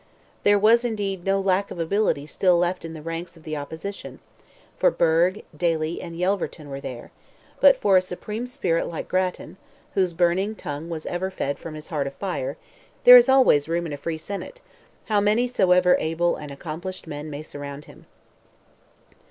There was indeed, no lack of ability still left in the ranks of the opposition—for Burgh, Daly, and Yelverton were there; but for a supreme spirit like Grattan—whose burning tongue was ever fed from his heart of fire—there is always room in a free senate, how many soever able and accomplished men may surround him.